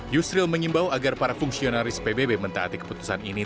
yusril menyimbau agar para fungsionaris pbb mentaati keputusan ini